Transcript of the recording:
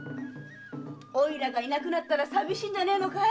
おいらが居なくなったら寂しいんじゃないのかい？